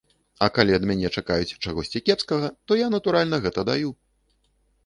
А калі ад мяне чакаюць чагосьці кепскага, то я, натуральна, гэта даю.